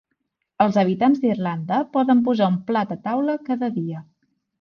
Els habitants d'Irlanda poden posar un plat a taula cada dia.